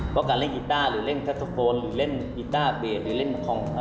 เพราะการเล่นกีตราร์หรือเล่นกาโชฟอลหรือเล่นอีตราร์เบดหรือเล่นคล้อง